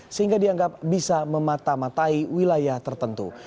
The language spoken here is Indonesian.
sehingga dianggap bisa memata matai wilayah tertentu